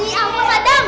ini aku padang